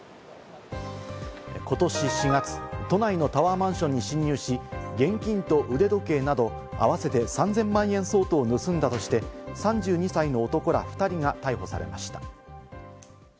ことし４月、都内のタワーマンションに侵入し、現金と腕時計など合わせて３０００万円相当を盗んだとして３２歳の男ら２人が逮捕されました。